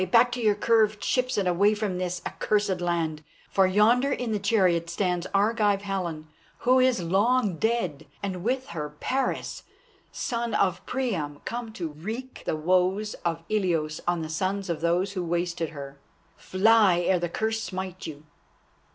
Back to your curved ships and away from this accursed land. For yonder in the chariot stands Argive Helen, who is long dead, and with her Paris, son of Priam, come to wreak the woes of Ilios on the sons of those who wasted her. Fly, ere the curse smite you."